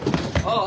ああ。